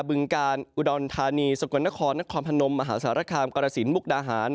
บึงกาลอุดรธานีสกลนครนครพนมมหาสารคามกรสินมุกดาหาร